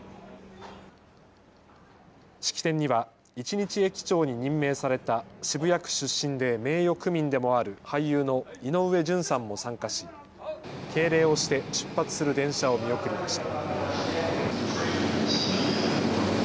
式典には一日駅長に任命された渋谷区出身で名誉区民でもある俳優の井上順さんも参加し敬礼をして出発する電車を見送りました。